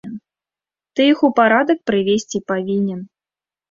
Ты іх у парадак прывесці павінен.